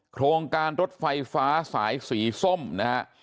โครงการรถไฟฟ้าสายสีส้มนะฮะ